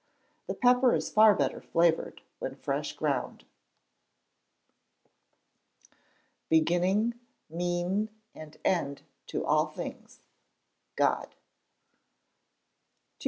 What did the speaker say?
The pepper is far better flavoured when fresh ground. [...BEGINNING, MEAN AND END TO ALL THINGS GOD.] 2751.